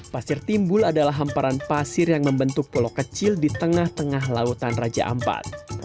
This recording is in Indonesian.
pasir timbul adalah hamparan pasir yang membentuk pulau kecil di tengah tengah lautan raja ampat